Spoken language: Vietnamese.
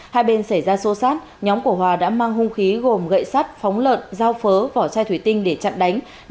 hai bên xảy ra xô xát nhóm của hòa đã mang hung khí gồm gậy sắt phóng lợn dao phớ vỏ chai thủy tinh để chặn đánh